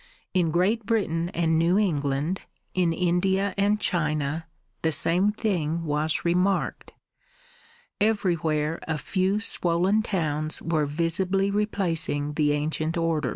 In Great Britain and New England, in India and China, the same thing was remarked: everywhere a few swollen towns were visibly replacing the ancient order.